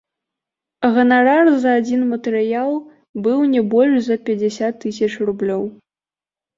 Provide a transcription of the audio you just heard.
Ганарар за адзін матэрыял быў не больш за пяцьдзясят тысяч рублёў.